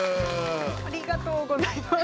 ありがとうございます。